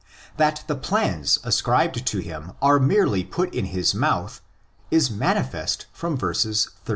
That the plans ascribed to him are merely put in his mouth is manifest from verses 80 31.